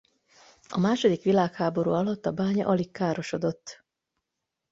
A második világháború alatt a bánya alig károsodott.